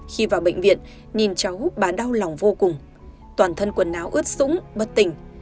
khi vào bệnh viện nhìn cháu bà đau lòng vô cùng toàn thân quần áo ướt sũng bất tỉnh